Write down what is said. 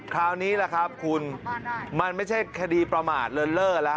คราวนี้แหละครับคุณมันไม่ใช่คดีประมาทเลินเล่อแล้ว